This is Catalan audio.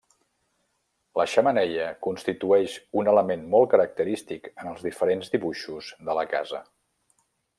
La xemeneia constitueix un element molt característic en els diferents dibuixos de la casa.